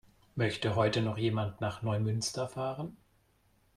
Möchte heute noch jemand nach Neumünster fahren?